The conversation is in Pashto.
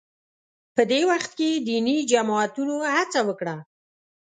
په دې وخت کې دیني جماعتونو هڅه وکړه